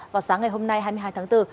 vào sáng ngày hôm nay hai mươi hai tháng bốn